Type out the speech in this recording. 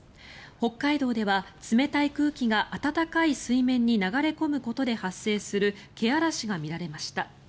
北海道では冷たい空気が暖かい水面に流れ込むことで発生するけあらしが見られました。